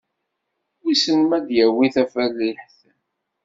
Wissen ma ad d-yawi tafaliḥt?